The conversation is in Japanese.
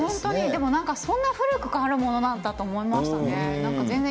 でも、なんかそんな古くからあるものなんだと思いましたね。